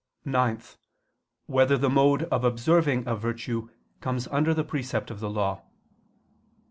(9) Whether the mode of observing a virtue comes under the precept of the Law?